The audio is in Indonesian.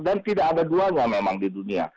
dan tidak ada duanya memang di dunia